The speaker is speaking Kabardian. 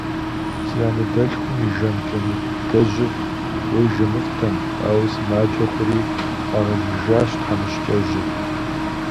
Си анэдэлъхум и жэм Джамыдэжьыр уей жэмыфӏтэм, ауэ сымаджэ хъури фӏагъэжыжащ тхьэмыщкӏэжьыр.